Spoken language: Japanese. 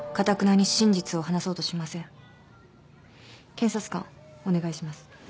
検察官お願いします。